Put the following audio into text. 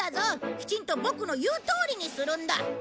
きちんとボクの言うとおりにするんだ！